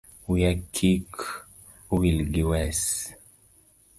Wiya kik owil gi wes